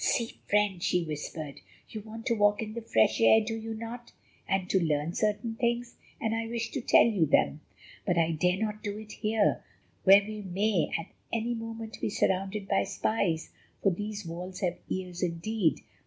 "See, friend," she whispered, "you want to walk in the fresh air—do you not?—and to learn certain things—and I wish to tell you them. But I dare not do it here, where we may at any moment be surrounded by spies, for these walls have ears indeed.